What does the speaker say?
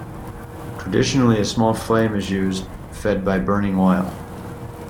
Traditionally a small flame is used, fed by burning oil.